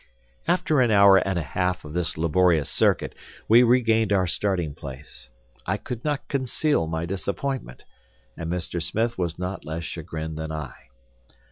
After an hour and a half of this laborious circuit, we regained our starting place. I could not conceal my disappointment, and Mr. Smith was not less chagrined than I.